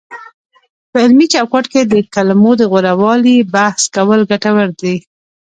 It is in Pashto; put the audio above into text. په علمي چوکاټ کې د کلمو د غوره والي بحث کول ګټور دی،